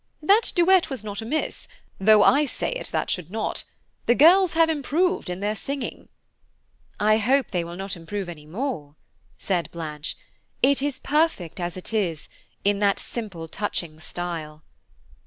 That duet was not amiss, though I say it that should not. The girls have improved in their singing." "I hope they will not improve any more," said Blanche; "it is perfect as it is, in that simple touching style."